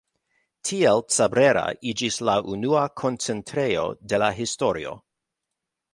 Tiel Cabrera iĝis la unua koncentrejo de la historio.